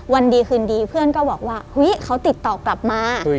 วันดีคืนดีเพื่อนก็บอกว่าเฮ้ยเขาติดต่อกลับมา